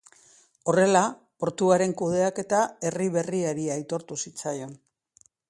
Horrela, portuaren kudeaketa herri berriari aitortu zitzaion.